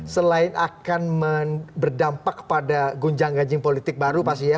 selain akan berdampak pada gunjang ganjing politik baru pasti ya